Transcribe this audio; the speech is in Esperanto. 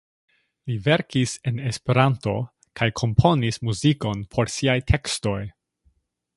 Li verkis en Esperanto kaj komponis muzikon por siaj tekstoj.